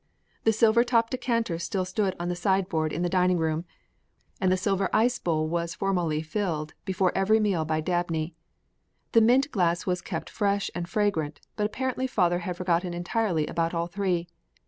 The silver topped decanter still stood on the sideboard in the dining room, and the silver ice bowl was formally filled before every meal by Dabney. The mint glass was kept fresh and fragrant but apparently father had forgotten entirely about all three.